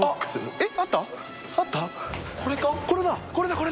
えっ？